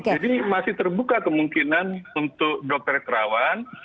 jadi masih terbuka kemungkinan untuk dr tirawan